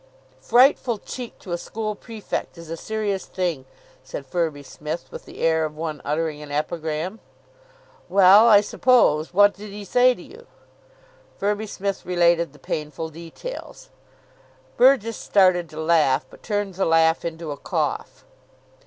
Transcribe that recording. "Frightful cheek to a school prefect is a serious thing," said Firby Smith, with the air of one uttering an epigram. "Well, I suppose What did he say to you?" Firby Smith related the painful details. Burgess started to laugh, but turned the laugh into a cough.